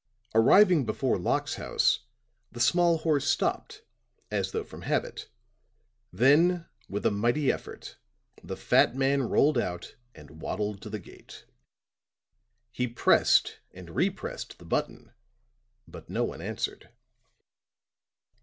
Arriving before Locke's house, the small horse stopped, as though from habit. Then with a mighty effort, the fat man rolled out and waddled to the gate. He pressed and re pressed the button; but no one answered.